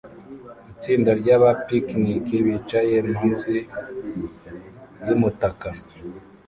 Itsinda ryaba picnike bicaye munsi yumutaka